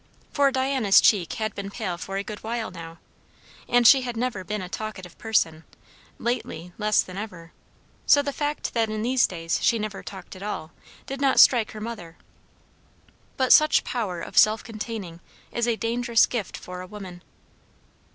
For Diana's cheek had been pale for a good while now, and she had never been a talkative person, lately less than ever; so the fact that in these days she never talked at all did not strike her mother. But such power of self containing is a dangerous gift for a woman.